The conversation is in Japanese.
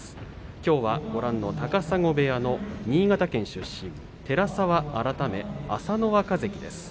きょうはご覧の高砂部屋の新潟県出身、寺沢改め朝乃若関です。